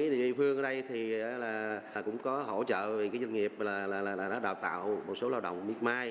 nhà phương ở đây cũng có hỗ trợ doanh nghiệp đã đào tạo một số lao động miết mai